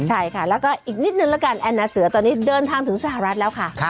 ใช่ค่ะแล้วก็อีกนิดนึงละกันแอนนาเสือตอนนี้เดินทางถึงสหรัฐแล้วค่ะ